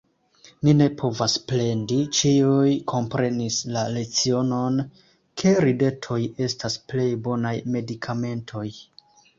Ni ne povas plendi, ĉiuj komprenis la lecionon, ke ridetoj estas plej bonaj medikamentoj.